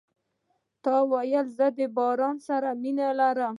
تا ویل زه د باران سره مینه لرم .